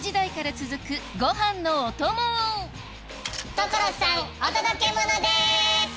所さんお届け物です！